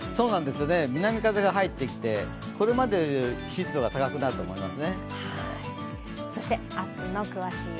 南風が入ってきてこれまでより湿度が高くなると思います。